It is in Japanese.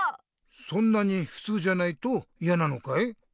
そんなにふつうじゃないといやなのかい？